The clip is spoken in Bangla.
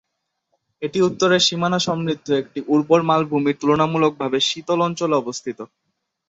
এটি উত্তরের সীমানা সমৃদ্ধ একটি উর্বর মালভূমির তুলনামূলকভাবে শীতল অঞ্চলে অবস্থিত।